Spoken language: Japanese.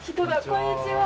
こんにちは。